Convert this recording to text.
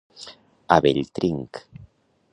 A bell trinc.